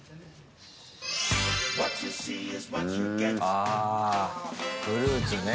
ああ、フルーツね。